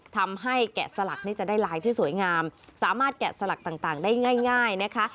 แกะสลักจะได้ลายที่สวยงามสามารถแกะสลักต่างได้ง่ายนะคะ